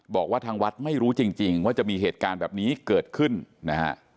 บอกว่าทางวัดไม่รู้จริงว่าจะมีเหตุการณ์แบบนี้เกิดขึ้นนะฮะ